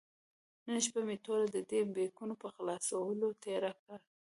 نن شپه مې ټوله د دې بیکونو په خلاصولو تېره کړې.